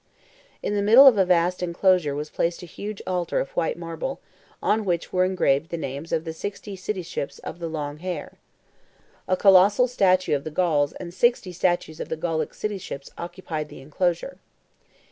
In the middle of a vast enclosure was placed a huge altar of white marble, on which were engraved the names of the sixty cityships "of the long hair." A colossal statue of the Gauls and sixty statues of the Gallic cityships occupied the enclosure.